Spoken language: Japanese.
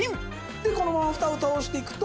でこのままフタを倒していくと。